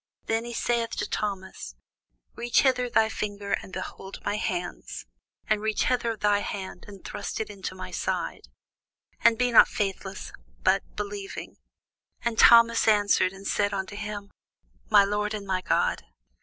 Then saith he to Thomas, Reach hither thy finger, and behold my hands; and reach hither thy hand, and thrust it into my side: and be not faithless, but believing. And Thomas answered and said unto him, My Lord and my God.